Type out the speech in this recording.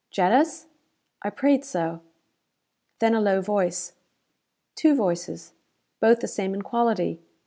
Jetta's? I prayed so. Then a low voice. Two voices. Both the same in quality.